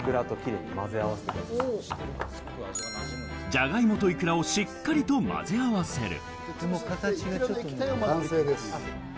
じゃがいもとイクラをしっかりと混ぜ合わせる。